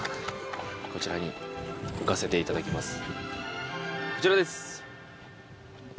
こちらに置かせていただきますこちらです！